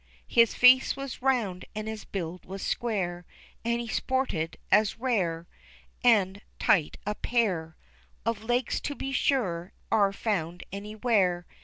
His face was round and his build was square, And he sported as rare And tight a pair Of legs, to be sure, as are found anywhere.